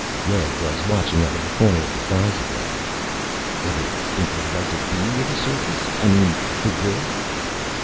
Red was watching out of the corner of his eyes again. "Ever think you would like to be with a circus? I mean, for good?"